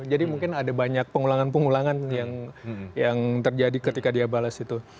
jadi mungkin ada banyak pengulangan pengulangan yang terjadi ketika dia bales itu